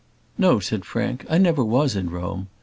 "No," said Frank; "I never was in Rome.